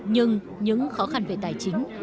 nhưng những khó khăn về tài chính